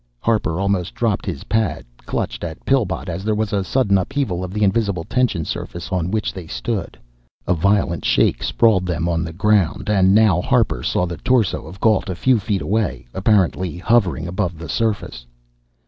Harper almost dropped his pad, clutched at Pillbot as there was a sudden upheaval of the invisible tension surface on which they stood. A violent shake sprawled them on the "ground" and now Harper saw the torso of Gault, a few feet away, apparently hovering above the surface.